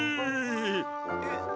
えっ？